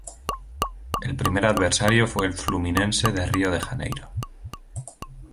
El primer adversario fue el Fluminense de Río de Janeiro.